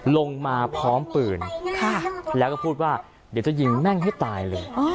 ลงมาพร้อมปืนแล้วก็พูดว่าเดี๋ยวจะยิงแม่งให้ตายเลย